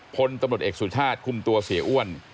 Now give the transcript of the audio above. พลตำรวจเอกสุชาติคุมตัวเสียอ้วน